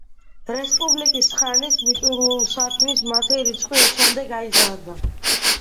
რესპუბლიკის ხანის მიწურულისათვის მათი რიცხვი ოცამდე გაიზარდა.